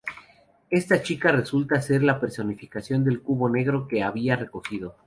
Esta chica resulta ser la personificación del cubo negro que había recibido.